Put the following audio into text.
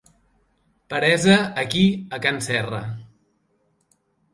Peresa aquí a can Serra.